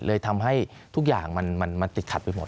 เลยทำให้ทุกอย่างมันติดขัดไปหมด